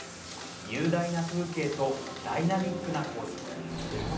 雄大な風景とダイナミックな構図。